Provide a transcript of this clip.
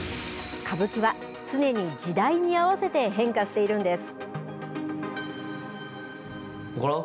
歌舞伎は常に時代に合わせて変化しているんです。